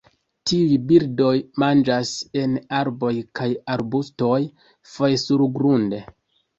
Tiuj birdoj manĝas en arboj kaj arbustoj, foje surgrunde.